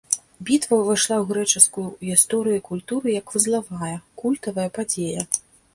Бітва ўвайшла ў грэчаскую гісторыю і культуру як вузлавая, культавая падзея.